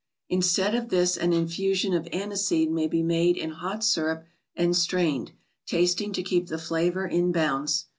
(Instead of this an infusion of aniseed may be made in hot syrup and strained, tasting to keep the flavor in bounds).